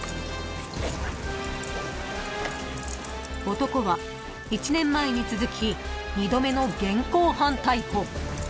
［男は１年前に続き２度目の現行犯逮捕］